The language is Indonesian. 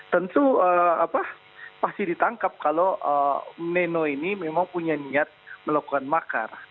tentu pasti ditangkap kalau neno ini memang punya niat melakukan makar